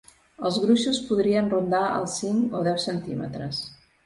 Els gruixos podrien rondar els cinc o deu centímetres.